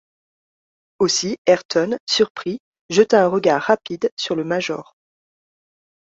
Aussi Ayrton, surpris, jeta un regard rapide sur le major.